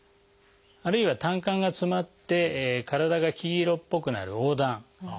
あるいは胆管が詰まって体が黄色っぽくなる黄疸。